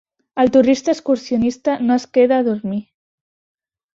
El turista excursionista no es queda a dormir.